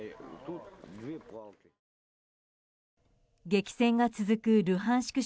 激戦が続くルハンシク